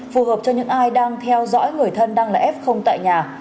phù hợp cho những ai đang theo dõi người thân đang là f tại nhà